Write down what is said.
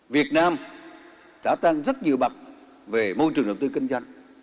việt nam đã tăng rất nhiều mặt về môi trường đầu tư kinh doanh